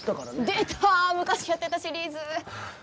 出た昔やってたシリーズ。